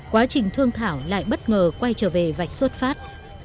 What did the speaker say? quá trình thương thảo lại bất ngờ quay trở về vạch xuất phát